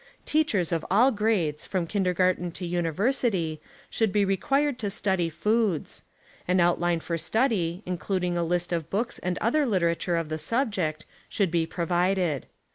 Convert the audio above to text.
Teachers of all grades, from kindergarten to university, should be required to study foods. An outline for study, including a list of books and other literature of the subject, should be provided.